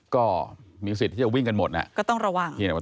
ก็มีสิทธิ์ที่จะวิ่งกันหมดก็ต้องระวัง